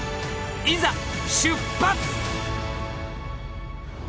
いざ出発！